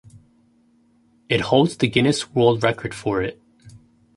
It holds the Guinness World Record for it.